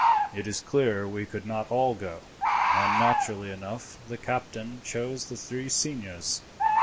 "It is clear we could not all go," Fothergill said, "and naturally enough the captain chose the three seniors.